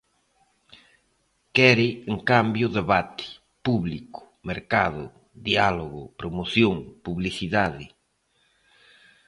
Quere, en cambio, debate, público, mercado, diálogo, promoción, publicidade...